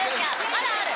まだある。